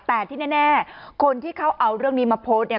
แต่ที่แน่คนที่เขาเอาเรื่องนี้มาโพสต์เนี่ย